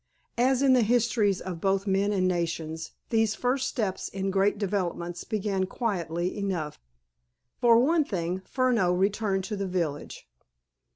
As in the histories of both men and nations, these first steps in great developments began quietly enough. For one thing, Furneaux returned to the village.